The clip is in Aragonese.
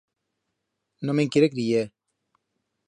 No me'n quiere criyer.